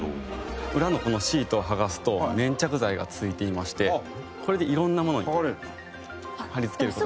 裏のこのシートを剥がすと粘着剤が付いていましてこれでいろんなものに貼り付ける事が。